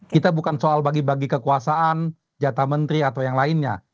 kita bukan soal bagi bagi kekuasaan jatah menteri atau yang lainnya